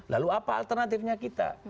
lalu apa alternatifnya kita